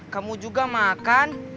kamu juga makan